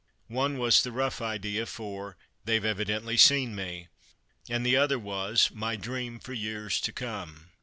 One was the rough idea for "They've evidently seen me," and the other was "My dream for years to come."